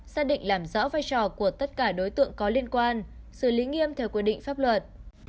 xác định làm rõ vai trò của tất cả đối tượng có liên quan xử lý nghiêm theo quy định pháp luật